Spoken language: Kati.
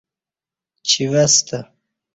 چِیوستہ